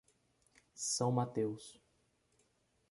São Mateus